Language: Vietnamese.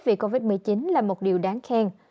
vì covid một mươi chín là một điều đáng khen